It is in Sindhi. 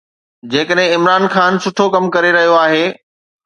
جيڪڏهن عمران خان سٺو ڪم ڪري رهيو آهي.